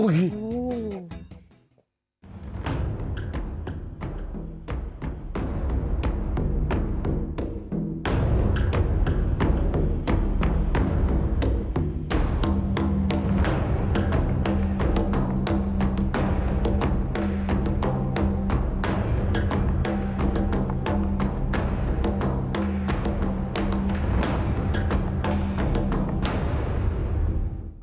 พิธีกรรมแห่ลงศพโอ้โฮ